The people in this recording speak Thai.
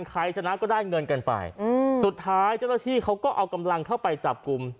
ใครชนะก็ได้เงินกันไปสุดท้ายเจ้าหน้าที่เขาก็เอากำลังเข้าไปจับกลุ่ม